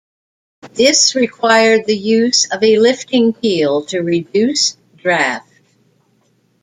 This required the use of a lifting keel to reduce draft.